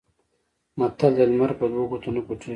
متل دی: لمر په دوو ګوتو نه پټېږي.